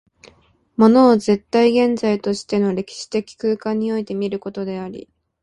物を絶対現在としての歴史的空間において見ることであり、